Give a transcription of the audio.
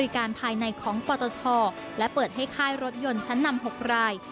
ค่ายรถยนต์ชั้นนำ๖ราย